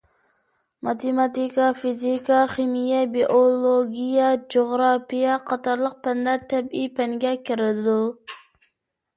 ماتېماتىكا، فىزىكا، خىمىيە، بىئولوگىيە، جۇغراپىيە قاتارلىق پەنلەر تەبىئىي پەنگە كىرىدۇ.